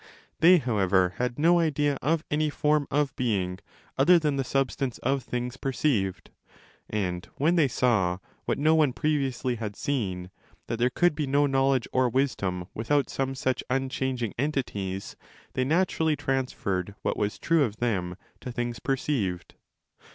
They, however, had no idea of any form of being other than the substance of things per ceived ; and when they saw, what no one previously had seen, that there could be no knowledge or wisdom without some such unchanging entities, they naturally transferred what was true of them to things perceived.